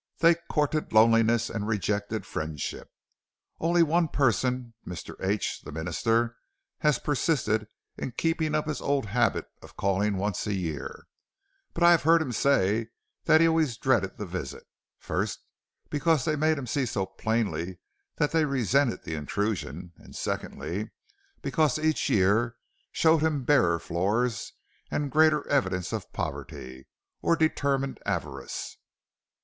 They courted loneliness and rejected friendship. Only one person, Mr. H , the minister, has persisted in keeping up his old habit of calling once a year, but I have heard him say that he always dreaded the visit, first, because they made him see so plainly that they resented the intrusion, and, secondly, because each year showed him barer floors and greater evidences of poverty or determined avarice.